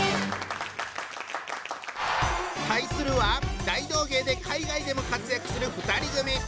対するは大道芸で海外でも活躍する２人組。